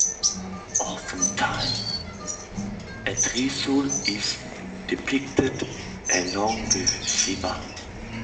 Often time, a Trishul is depicted along with Shiva.